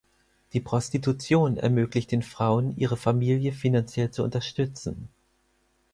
Die Prostitution ermöglicht den Frauen, ihre Familie finanziell zu unterstützen.